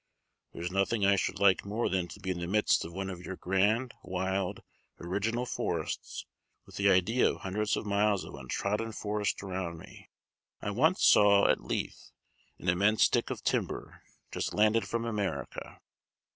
There is nothing I should like more than to be in the midst of one of your grand, wild, original forests with the idea of hundreds of miles of untrodden forest around me. I once saw, at Leith, an immense stick of timber, just landed from America.